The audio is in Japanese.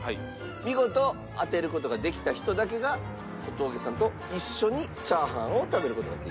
見事当てる事ができた人だけが小峠さんと一緒にチャーハンを食べる事ができます。